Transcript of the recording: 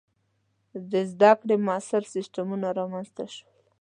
• د زده کړې معاصر سیستمونه رامنځته شول.